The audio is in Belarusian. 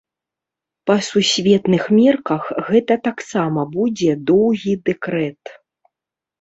Па сусветных мерках гэта таксама будзе доўгі дэкрэт.